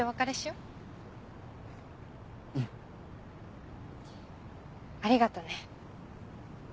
うん。ありがとね。